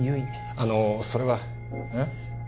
あのそれはうんっ？